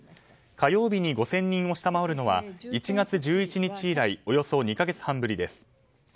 火曜日に５０００人を下回るのは１月１１日以来およそ２か月半ぶりです。